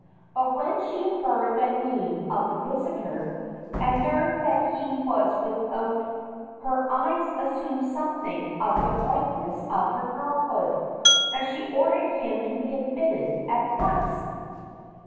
But when she heard the name of the visitor, and learned that he was without, her eyes assumed something of the brightness of her girlhood, and she ordered him to be admitted at once.